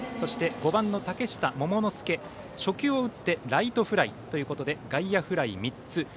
５番の嶽下桃之介初球を打ってライトフライということで外野フライ３つ。